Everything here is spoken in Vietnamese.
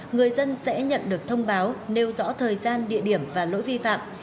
người dân sẽ nhận được thông báo nêu rõ thời gian địa điểm và lỗi vi phạm